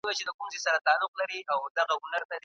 د جګړې او سولې رومان د بشریت د یووالي او مېړانې نښه ده.